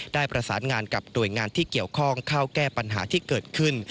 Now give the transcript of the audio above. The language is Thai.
ได้ประสานงานกับหน่วยงานที่เกี่ยวข้องเข้าแก้ปัญหาที่เกิดขึ้น